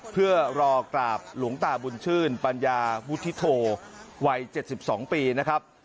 เพื่อรอกราบหลวงตาบุญชื่นปัญญาวุฒิโธวัย๗๒ปีนะครับ